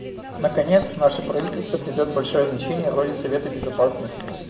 Наконец, наше правительство придает большое значение роли Совета Безопасности.